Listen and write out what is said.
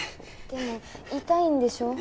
でも痛いんでしょう？